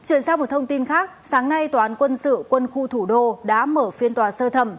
chuyển sang một thông tin khác sáng nay tòa án quân sự quân khu thủ đô đã mở phiên tòa sơ thẩm